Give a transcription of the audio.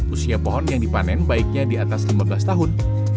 usia pohon yang dipanen baiknya di atas lima belas tahun